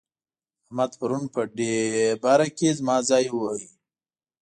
احمد پرون په ډبره کې زما ځای وواهه.